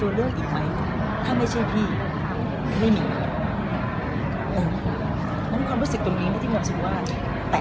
รู้อีกยังไงว่าเป็นน้องแ